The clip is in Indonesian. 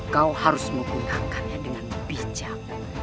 kau harus menggunakannya dengan bijak